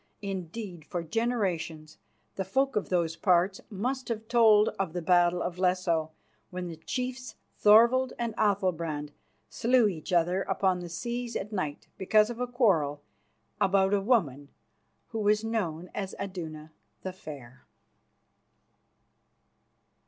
Indeed, for generations the folk of those parts must have told of the battle of Lesso, when the chiefs, Thorvald and Athalbrand, slew each other upon the seas at night because of a quarrel about a woman who was known as Iduna the Fair.